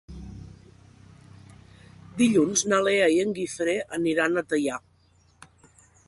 Dilluns na Lea i en Guifré aniran a Teià.